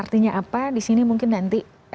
artinya apa disini mungkin nanti